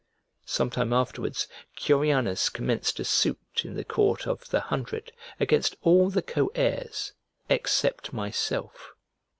Sometime afterwards, Curianus commenced a suit in the Court of the Hundred against all the co heirs except myself.